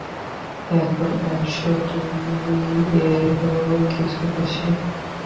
এখন একশ দুইয়েরও কিছু বেশি।